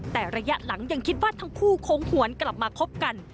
แต่ระยะหลังยังคิดว่าทั้งคู่คงหวนกลับมาคบกัน